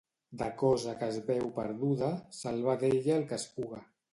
De cosa que es veu perduda, salvar d'ella el que es puga.